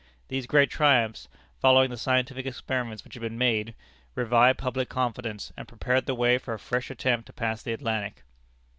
These great triumphs, following the scientific experiments which had been made, revived public confidence, and prepared the way for a fresh attempt to pass the Atlantic.